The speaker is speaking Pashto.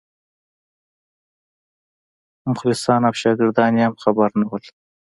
مخلصان او شاګردان یې هم خبر نه وو.